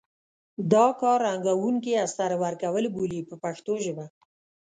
دا کار رنګوونکي استر ورکول بولي په پښتو ژبه.